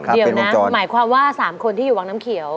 เดี๋ยวนะหมายความว่า๓คนที่อยู่วังน้ำเขียว